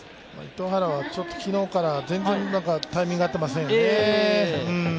糸原は昨日から全然タイミング合ってませんよね。